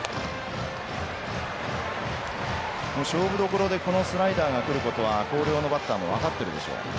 勝負どころでこのスライダーがくることは広陵のバッターも分かってるでしょう。